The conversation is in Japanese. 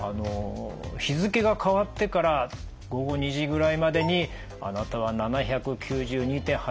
日付が変わってから午後２時ぐらいまでにあなたは７９２．８ｋｃａｌ